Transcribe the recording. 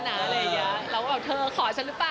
อะไรอย่างเงี้ยเราก็แบบเธอขอฉันรึเปล่า